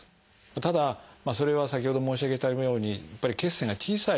ただそれは先ほど申し上げたようにやっぱり血栓が小さい